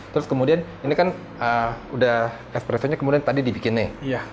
terus kemudian ini kan espresso nya tadi dibuat nih